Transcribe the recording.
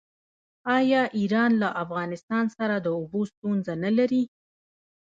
آیا ایران له افغانستان سره د اوبو ستونزه نلري؟